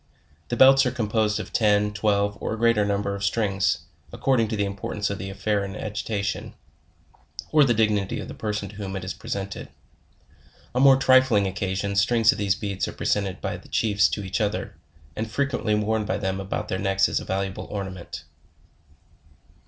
The belts are composed of ten, twelve, or a greater num ber of strings, according to the importance of the affair in agitation, or the dignity of the person to whom it is present ed. On more trifling occasions, strings of these beads are presented by the chiefs to each other, and frequently worn by them about their necks as a valuable ornament.